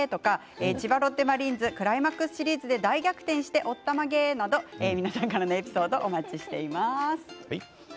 千葉ロッテマリーンズクライマックスシリーズで大逆転しておったまげ！など皆さんからのエピソードお待ちしています。